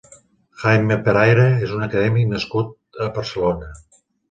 Jaime Peraire és un acadèmic nascut a Barcelona.